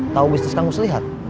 tau bisnis kamus lihat